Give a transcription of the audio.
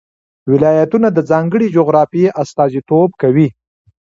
ولایتونه د ځانګړې جغرافیې استازیتوب کوي.